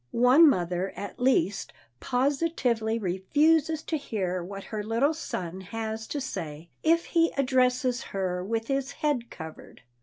One mother at least positively refuses to hear what her little son has to say if he addresses her with his head covered.